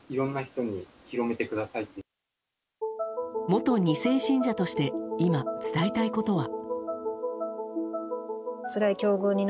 元２世信者として今、伝えたいことは。